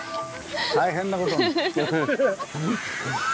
大変なことに。